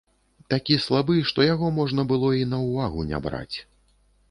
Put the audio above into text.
Такі слабы, што яго можна было і на ўвагу не браць.